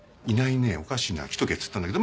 おかしいな。来とけっつったんだけど。